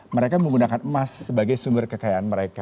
mereka menggunakan emas sebagai sumber kekayaan mereka